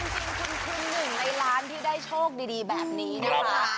ยินดีด้วยคุณคุณหนึ่งในร้านที่ได้โชคดีแบบนี้นะคะ